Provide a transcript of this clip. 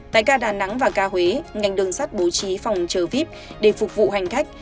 tại ca đà nẵng và ca huế ngành đường sắt bố trí phòng chờ vip để phục vụ hành khách